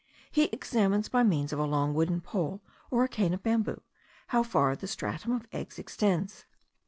He examines by means of a long wooden pole or a cane of bamboo, how far the stratum of eggs extends.